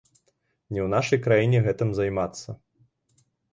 Не ў нашай краіне гэтым займацца.